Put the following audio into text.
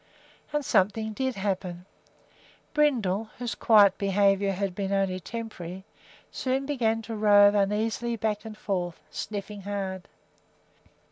And something did happen. Brindle, whose quiet behavior had been only temporary, soon began to rove uneasily back and forth, sniffing hard.